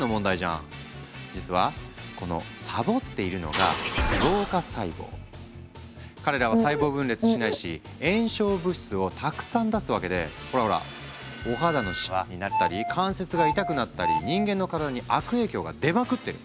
実はこのサボっているのが彼らは細胞分裂しないし炎症物質をたくさん出すわけでほらほらお肌のシワになったり関節が痛くなったり人間の体に悪影響が出まくってる。